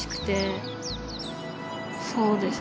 そうです